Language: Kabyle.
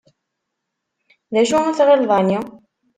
D acu ay tɣileḍ ɛni?